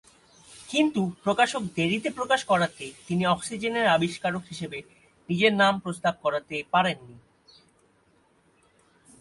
কিন্তু প্রকাশক দেরিতে প্রকাশ করাতে তিনি অক্সিজেনের আবিষ্কারক হিসেবে নিজের নাম প্রস্তাব করতে পারেননি।